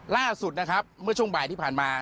ล่าสุดนะครับเมื่อช่วงบ่ายที่ผ่านมา